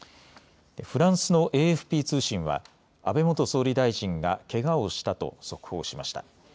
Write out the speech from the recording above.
フランスのＡＦＰ通信は安倍元総理大臣がけがをしたと速報しました。